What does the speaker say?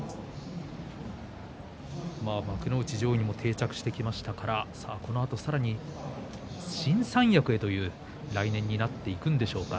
幕内上位に定着してきましたからこのあと、さらに新三役へという来年になっていくんでしょうか。